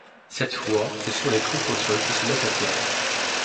Cette fois, ce sont les troupes au sol qui se mettent à tirer.